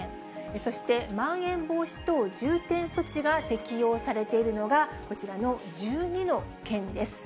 そして、まん延防止等重点措置が適用されているのが、こちらの１２の県です。